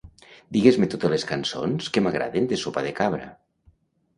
Digues-me totes les cançons que m'agraden de Sopa de Cabra.